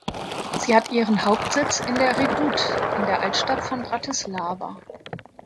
Sie hat ihren Hauptsitz in der Redoute in der Altstadt von Bratislava.